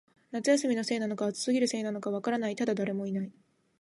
夏休みのせいなのか、暑すぎるせいなのか、わからない、ただ、誰もいない